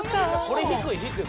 これ低い低い。